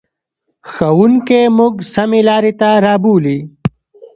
ښوونکی موږ سمې لارې ته رابولي.